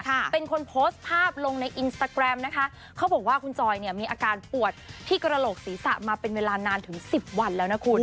เป็นคนโพสต์ภาพลงในอินสตาแกรมนะคะเขาบอกว่าคุณจอยเนี่ยมีอาการปวดที่กระโหลกศีรษะมาเป็นเวลานานถึงสิบวันแล้วนะคุณ